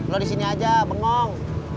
lo disini aja bengong